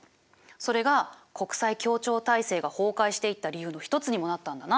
それが国際協調体制が崩壊していった理由の一つにもなったんだな。